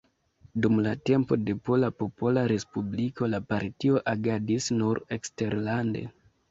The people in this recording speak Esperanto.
Dum la tempo de Pola Popola Respubliko la partio agadis nur eksterlande.